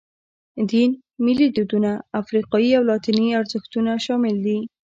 دین، ملي دودونه، افریقایي او لاتیني ارزښتونه شامل دي.